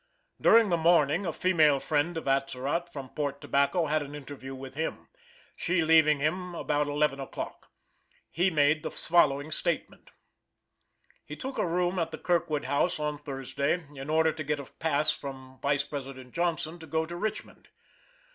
During the morning a female friend of Atzerott, from Port Tobacco, had an interview with him she leaving him about eleven o'clock. He made the following statement: He took a room at the Kirkwood House on Thursday, in order to get a pass from Vice President Johnson to go to Richmond.